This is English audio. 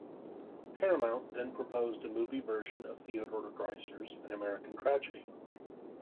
Paramount then proposed a movie version of Theodore Dreiser's "An American Tragedy".